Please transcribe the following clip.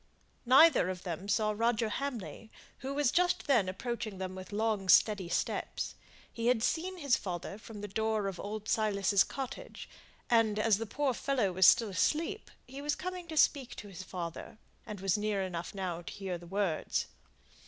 Neither of them saw Roger Hamley, who was just then approaching them with long, steady steps. He had seen his father from the door of old Silas's cottage, and, as the poor fellow was still asleep, he was coming to speak to his father, and was near enough now to hear the next words.